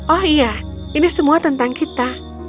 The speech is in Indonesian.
oh iya ini semua tentang kita